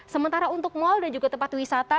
sementara untuk mal dan juga tempat wisata